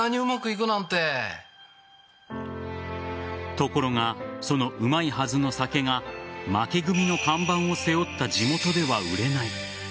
ところがそのうまいはずの酒が負け組の看板を背負った地元では売れない。